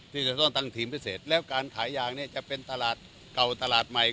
ที่จะต้องตั้งทีมพิเศษแล้วการขายยางเนี่ยจะเป็นตลาดเก่าตลาดใหม่